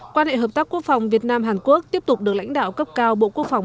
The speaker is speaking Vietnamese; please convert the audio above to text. quan hệ hợp tác quốc phòng việt nam hàn quốc tiếp tục được lãnh đạo cấp cao bộ quốc phòng